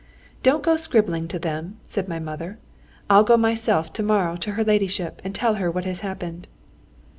"Don't go scribbling to them," said my mother; "I'll go myself to morrow to her ladyship and tell her what has happened."